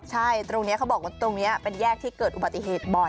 ใช่ตรงนี้เขาบอกว่าตรงนี้เป็นแยกที่เกิดอุบัติเหตุบ่อย